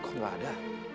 kok gak ada